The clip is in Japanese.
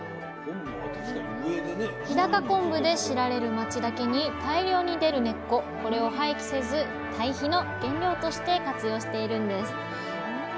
日高昆布で知られる町だけに大量に出る根っここれを廃棄せずたい肥の原料として活用しているんです。